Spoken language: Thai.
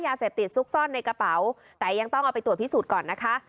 ยาเสพติดซุกซ่อนในกระเป๋าแต่ยังต้องเอาไปตรวจพิสูจน์ก่อนนะคะ